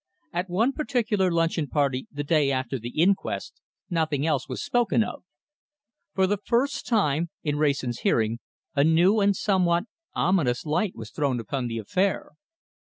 At one particular luncheon party the day after the inquest, nothing else was spoken of. For the first time, in Wrayson's hearing, a new and somewhat ominous light was thrown upon the affair.